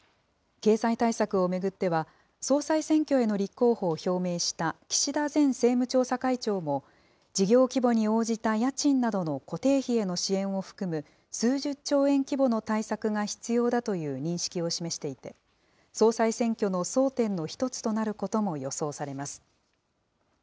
経済対策を巡っては、総裁選挙への立候補を表明した岸田前政務調査会長も、事業規模に応じた家賃などの固定費への支援を含む数十兆円規模の対策が必要だという認識を示していて、総裁選挙の争点の一つとなることも予想されます。